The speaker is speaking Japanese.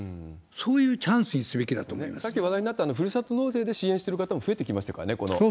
そういうチャンスにすべきだと思さっき話題になったふるさと納税で支援してる人も増えてきましたからね。